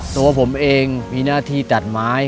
ตัวผมเองมีหน้าที่ตัดไม้